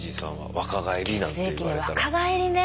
若返りね。